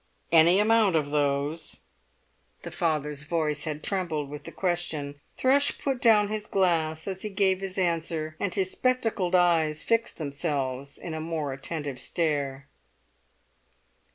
"Any amount of those." The father's voice had trembled with the question. Thrush put down his glass as he gave his answer, and his spectacled eyes fixed themselves in a more attentive stare.